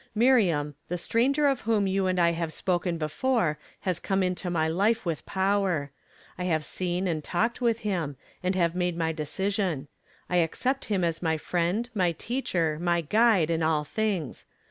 Miriam, the stranger of whom you and I have spoken before has come into my life with power. I have seen and talked with liim, and have made my decision. I accept him as my friend, my teacher, my guide in all things.